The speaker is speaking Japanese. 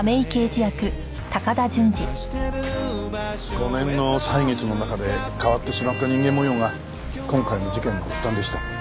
５年の歳月の中で変わってしまった人間模様が今回の事件の発端でした。